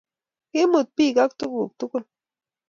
Kiimut bik ak tuguk tugul